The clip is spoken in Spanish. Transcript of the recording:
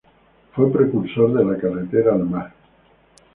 Fue precursor de la carretera al mar.